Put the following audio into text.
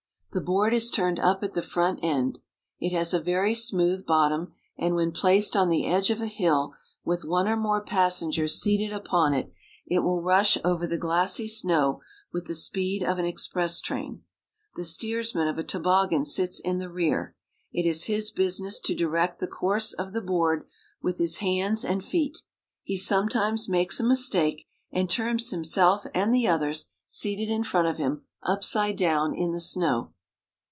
The board is turned up at the front end. It has a very smooth bot tom, and when placed on the edge of a hill, with one or more passengers seated upon it, it will rush over the glassy snow with the speed of an express train. The steersman of a toboggan sits in the rear. It is his busi ness to direct the course of the board with his hands and feet He sometimes makes a mistake, and turns himself Tobogganing. QUEBEC. 325 and the others, seated in front of him, upside down in the snow.